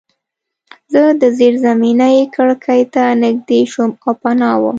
زه د زیرزمینۍ کړکۍ ته نږدې شوم او پناه وم